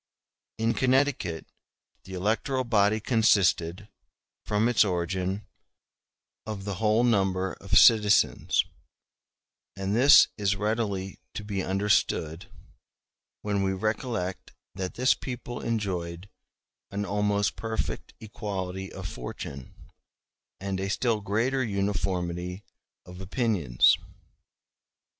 In Connecticut the electoral body consisted, from its origin, of the whole number of citizens; and this is readily to be understood, *a when we recollect that this people enjoyed an almost perfect equality of fortune, and a still greater uniformity of opinions.